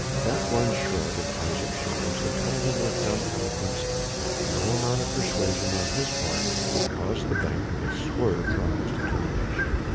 That one shrug of Isaje's shoulders had told him with dumb eloquence that no amount of persuasion on his part would cause the banker to swerve from his determination.